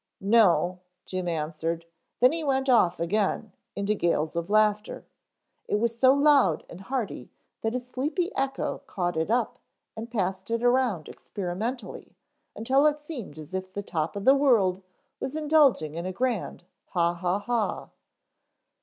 "No," Jim answered, then went off again into gales of laughter. It was so loud and hearty that a sleepy echo caught it up and passed it around experimentally until it seemed as if the top of the world was indulging in a grand ha ha ha.